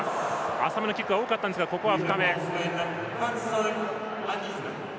浅めのキックが多かったんですがここは深めでした。